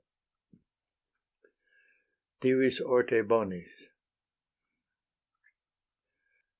V. DIVIS ORTE BONIS.